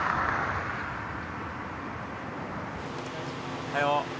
おはよう。